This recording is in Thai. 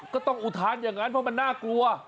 อุทานอย่างนั้นเพราะมันน่ากลัว